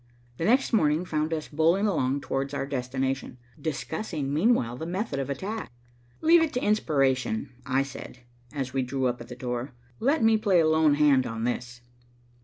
The next morning found us bowling along towards our destination, discussing meanwhile the method of attack. "Leave it to inspiration," I said, as we drew up at the door. "Let me play a lone hand on this."